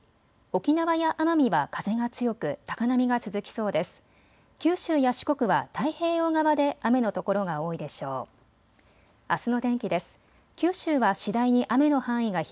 沖縄や奄美は風が強く高波が続きそうです。